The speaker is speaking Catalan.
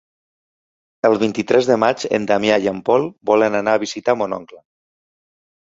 El vint-i-tres de maig en Damià i en Pol volen anar a visitar mon oncle.